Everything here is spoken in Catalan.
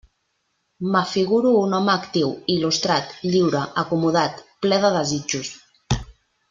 M'afiguro un home actiu, il·lustrat, lliure, acomodat, ple de desitjos.